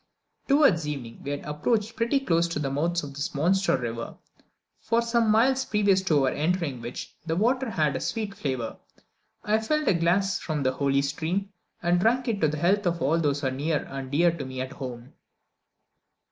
Towards evening we had approached pretty close to the mouths of this monster river, for some miles previous to our entering which, the water had a sweet flavour. I filled a glass from the holy stream, and drank it to the health of all those near and dear to me at home.